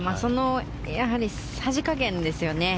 匙加減ですよね。